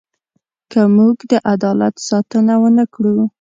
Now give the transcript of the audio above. که موږ د عدالت ساتنه ونه کړو.